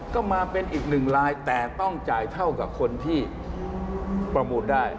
ก็มาเป็นอีกหนึ่งลายแต่ต้องจ่ายเท่ากับคนที่ประมูลได้